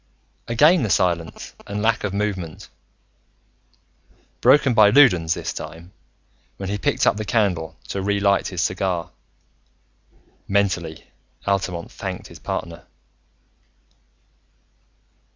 Again the silence and lack of movement, broken by Loudons this time, when he picked up the candle to re lit his cigar. Mentally, Altamont thanked his partner.